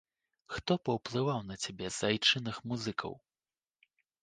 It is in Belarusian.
Хто паўплываў на цябе з айчынных музыкаў?